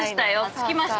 着きました。